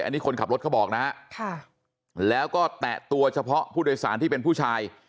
อันนี้คนขับรถเขาบอกนะฮะแล้วก็แตะตัวเฉพาะผู้โดยสารที่เป็นผู้ชาย